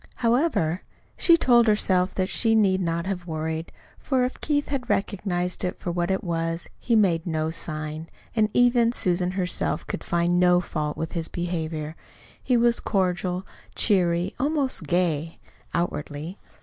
However, she told herself that she need not have worried, for if Keith had recognized it for what it was, he made no sign; and even Susan herself could find no fault with his behavior. He was cordial, cheery, almost gay, outwardly.